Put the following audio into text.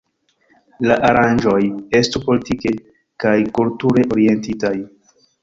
La aranĝoj estu politike kaj kulture orientitaj.